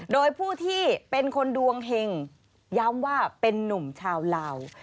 โดยผู้ที่เป็นคนดวงเห็งย้ำว่าเป็นนุ่มชาวลาว